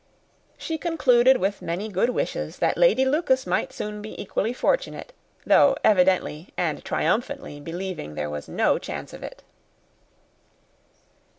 She concluded with many good wishes that Lady Lucas might soon be equally fortunate, though evidently and triumphantly believing there was no chance of it.